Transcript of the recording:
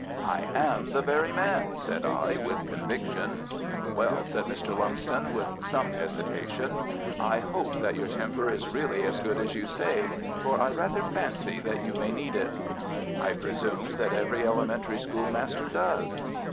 "I am the very man," said I, with conviction. "Well," said Mr. Lumsden, with some hesitation, "I hope that your temper is really as good as you say, for I rather fancy that you may need it." "I presume that every elementary schoolmaster does."